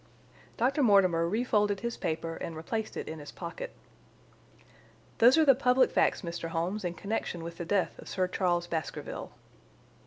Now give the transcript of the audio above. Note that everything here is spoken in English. Dr. Mortimer refolded his paper and replaced it in his pocket. "Those are the public facts, Mr. Holmes, in connection with the death of Sir Charles Baskerville."